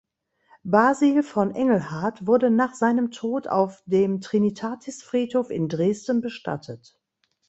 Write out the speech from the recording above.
Basil von Engelhardt wurde nach seinem Tod auf dem Trinitatisfriedhof in Dresden bestattet.